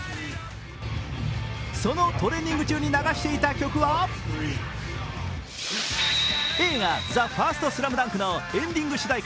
そのトレーニング中に流していた曲は映画「ＴＨＥＦＩＲＳＴＳＬＡＭＤＵＮＫ」のエンディング主題歌